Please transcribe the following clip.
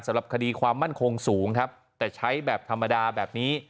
สำหรับคดีความมั่นคงสูงครับแต่ใช้แบบธรรมดาแบบนี้